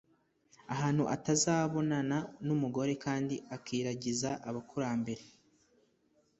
ahantu atabonana n’umugore kandi akiragiza abakurambere.